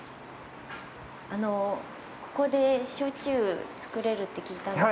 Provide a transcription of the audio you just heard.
あの、ここで焼酎をつくれるって聞いたんです。